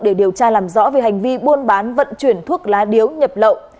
để điều tra làm rõ về hành vi buôn bán vận chuyển thuốc lá điếu nhập lậu